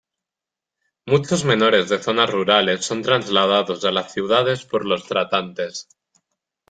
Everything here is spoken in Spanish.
Muchos menores de zonas rurales son trasladados a las ciudades por los tratantes.